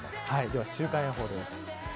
では、週間予報です。